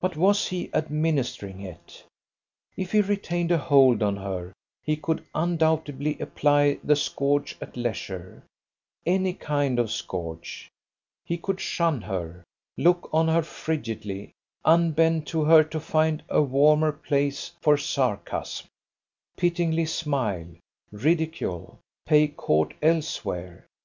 But was he administering it? If he retained a hold on her, he could undoubtedly apply the scourge at leisure; any kind of scourge; he could shun her, look on her frigidly, unbend to her to find a warmer place for sarcasm, pityingly smile, ridicule, pay court elsewhere.